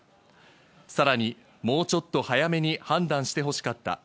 さらに、もうちょっと早めに判断してほしかった。